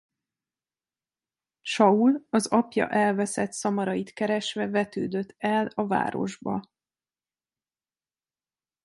Saul az apja elveszett szamarait keresve vetődött el a városba.